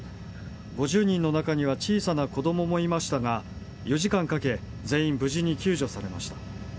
５０人の中には小さな子どももいましたが４時間かけ全員無事に救助されました。